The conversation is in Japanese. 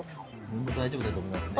もう大丈夫だと思いますね。